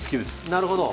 なるほど。